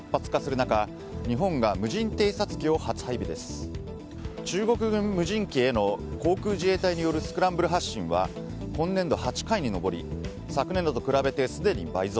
中国軍無人機への航空自衛隊によるスクランブル発進は今年度８回に上り昨年度と比べてすでに倍増。